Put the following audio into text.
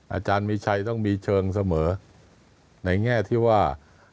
อาจารย์มีชัยต้องมีเชิงเสมอในแง่ที่ว่า